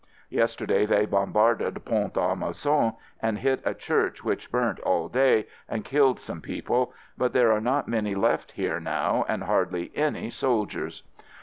Yesterday they bombarded Pont a Mousson and hit a church which burnt all day, and killed some people — but there are not many left here now and hardly any soldiers.